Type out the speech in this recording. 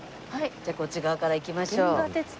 じゃあこっち側から行きましょう。